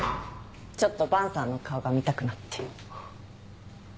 ちょっと萬さんの顔が見たくなって。